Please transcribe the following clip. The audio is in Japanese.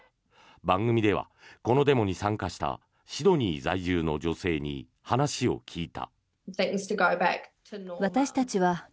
番組ではこのデモに参加したシドニー在住の女性に話を聞いた。